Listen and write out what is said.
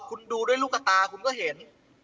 คุณดูด้วยลูกตาคุณก็เห็น